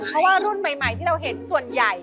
เพราะว่ารุ่นใหม่ที่เราเห็นส่วนใหญ่